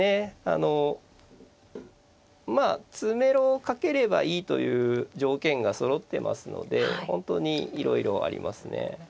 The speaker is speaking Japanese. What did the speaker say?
あのまあ詰めろをかければいいという条件がそろってますので本当にいろいろありますね。